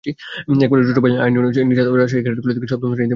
একমাত্র ছোট ভাই আইনুন নিশাত রাজশাহী ক্যাডেট কলেজে সপ্তম শ্রেণিতে পড়ছে।